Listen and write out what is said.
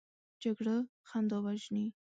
جګړه خندا وژني